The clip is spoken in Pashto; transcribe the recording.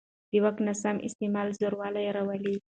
د واک ناسم استعمال زوال راولي